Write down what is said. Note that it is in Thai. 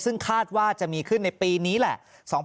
ซึ่งคาดว่าจะมีขึ้นในปีนี้แหละ